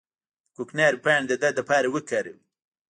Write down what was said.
د کوکنارو پاڼې د درد لپاره وکاروئ